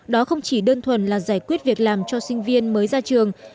đó không chỉ đơn thuần là giải quyết việc làm cho sinh viên mới ra trường